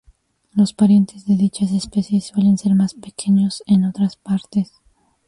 Los parientes de dichas especies suelen ser más pequeños en otras partes.